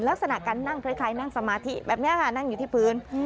ลักษณะการนั่งคล้ายนั่งสมาธิแบบนี้ค่ะนั่งอยู่ที่พื้น